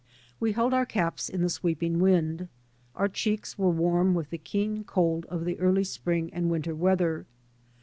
We held our caps in the sweeping wind. Our cheelcs were warm with the keen cold of the early spring and winter weather.